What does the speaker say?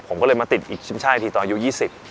ผมก็เลยมาติดอีกทีมชาติอีกทีตอนอายุยี่สิบ